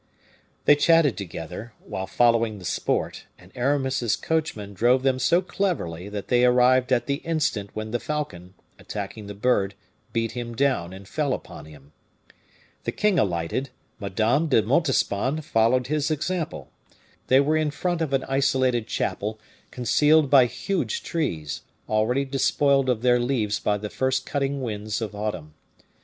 They chatted together, while following the sport, and Aramis's coachman drove them so cleverly that they arrived at the instant when the falcon, attacking the bird, beat him down, and fell upon him. The king alighted; Madame de Montespan followed his example. They were in front of an isolated chapel, concealed by huge trees, already despoiled of their leaves by the first cutting winds of autumn.